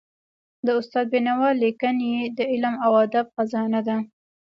د استاد بینوا ليکني د علم او ادب خزانه ده.